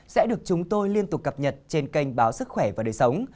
sẽ được chúng tôi liên tục cập nhật trên kênh báo sức khỏe và đời sống